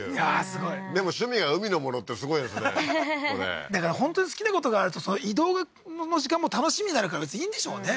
すごいでも趣味が海のものってすごいですねははははっだから本当に好きなことがあると移動の時間も楽しみになるから別にいいんでしょうね